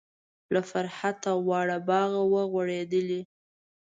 له فرحته واړه باغ و غوړیدلی.